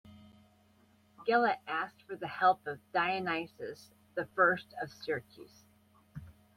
Gela asked for the help of Dionysius the First of Syracuse.